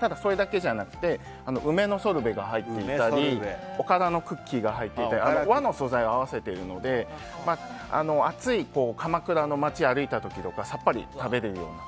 ただそれだけじゃなくて梅のソルベが入っていたりおからのクッキーが入っていたり和の素材を合わせているので暑い鎌倉の街を歩いた時とかにさっぱり食べれるような。